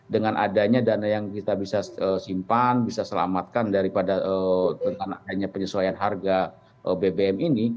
dengan adanya dana yang kita bisa simpan bisa selamatkan daripada penyesuaian harga bbm ini